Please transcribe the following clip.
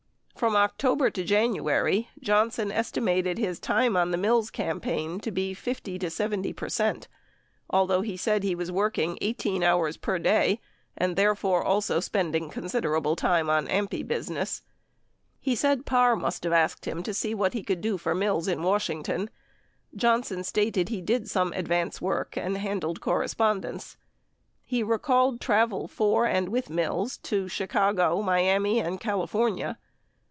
35 From Octo ber to January, Johnson estimated his time on the Mills campaign to be 50 70%, although he said he was working 18 hours per day and there fore also spending considerable time on AMPI business. He said Parr must have asked him to see what he could do for Mills in Washington. Johnson stated he did some advance work and handled correspondence. He recalled travel for and with Mills to Chicago, Miami and Cali fornia.